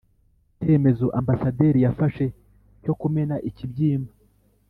cyemezo ambasaderi yafashe cyo kumena ikibyimba